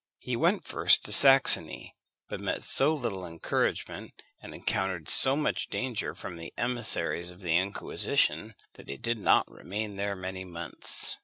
He went first to Saxony; but met so little encouragement, and encountered so much danger from the emissaries of the Inquisition, that he did not remain there many months.